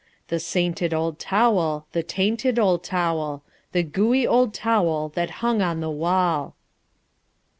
The sainted old towel, the tainted old towel, The gooey old towel that hung on the wall.